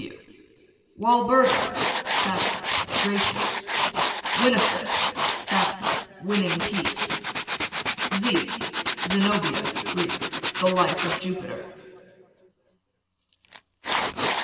W Walburga, Saxon, gracious. Winifred, Saxon, winning peace. Z Zenobia, Greek, the life of Jupiter.